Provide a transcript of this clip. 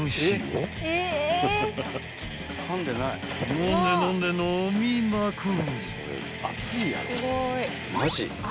［のんでのんでのみまくる］